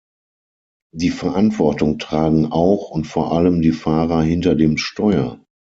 Die Verantwortung tragen auch und vor allem die Fahrer hinter dem Steuer.